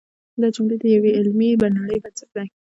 دا جملې د یوې علمي نړۍ بنسټ دی.